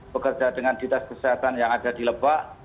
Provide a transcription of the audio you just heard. bekerja dengan dinas kesehatan yang ada di lebak